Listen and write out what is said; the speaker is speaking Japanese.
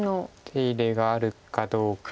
手入れがあるかどうか。